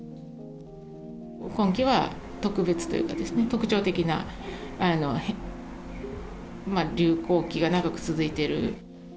今季は特別というか、特徴的な流行期が長く続いている。